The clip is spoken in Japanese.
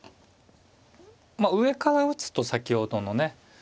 上から打つと先ほどのね